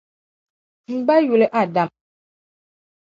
M ba yuli Adam.